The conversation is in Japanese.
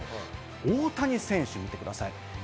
大谷選手を見てください。